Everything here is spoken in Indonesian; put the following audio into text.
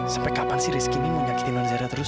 sampai kapan sih rizky ini mau nyakitin nonzara terus